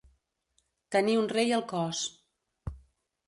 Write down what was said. Tenir un rei al cos.